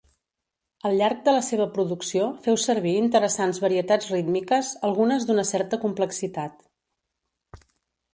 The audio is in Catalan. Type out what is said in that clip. Al llarg de la seva producció féu servir interessants varietats rítmiques, algunes d'una certa complexitat.